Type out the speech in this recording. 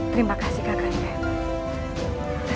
terima kasih kak kanda